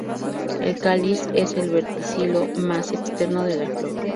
El cáliz es el verticilo más externo de la flor.